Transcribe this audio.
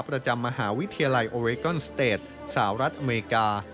ประจำมหาวิทยาลัยโอเรกอนสเตจสหรัฐอเมริกา